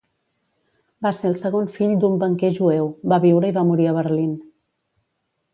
Va ser el segon fill d'un banquer jueu, va viure i va morir a Berlín.